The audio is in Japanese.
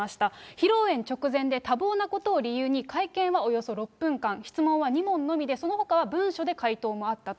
披露宴直前で多忙なことを理由に、会見はおよそ６分間、質問は２問のみで、そのほかは文書で回答もあったと。